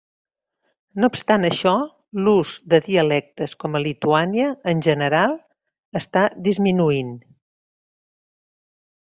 No obstant això, l'ús de dialectes com a Lituània, en general, està disminuint.